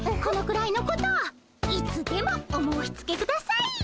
このくらいのこといつでもお申しつけください。